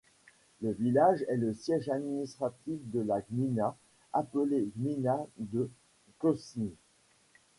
Le village est le siège administratif de la gmina appelée gmina de Goszczyn.